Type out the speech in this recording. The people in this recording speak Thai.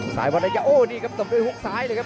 สายวันละยาต้มเป็นผ่านหุ้นซ้ายครับ